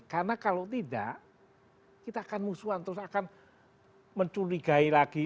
karena kalau tidak kita akan musuhan terus akan menculigai lagi